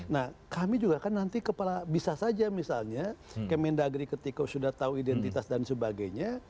nah kami juga kan nanti kepala bisa saja misalnya kemendagri ketika sudah tahu identitas dan sebagainya